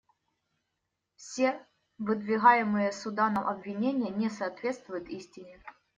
Все выдвигаемые Суданом обвинения не соответствуют истине.